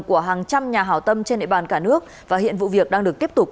của hàng trăm nhà hảo tâm trên địa bàn cả nước và hiện vụ việc đang được tiếp tục